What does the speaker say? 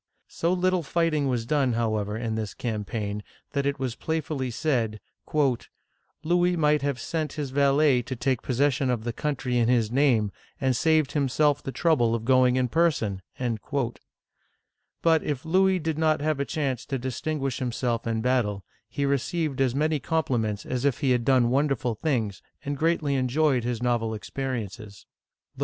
So little fighting was done, however, in this campaign, that it was playfully said, "Louis might have sent his valet to take possession of the country in his name, and have saved himself the trouble of going in person !" But if Louis did not have a chance to distin guish himself in battle, he received as many compliments uigitizea oy vjiOOQlC LOUIS XIV. (1643 1715) 339 as if he had done wonderful things, and greatly enjoyed his novel experiences.